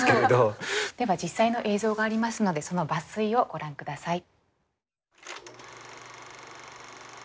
では実際の映像がありますのでその抜粋をご覧下さい。